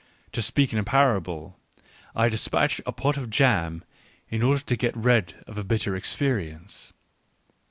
To speak in a parable : I dispatch a pot of jam in order to get rid of a bitter experience.